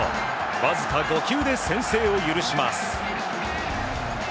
わずか５球で先制を許します。